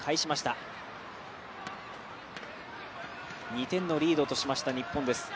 ２点のリードとしました日本です。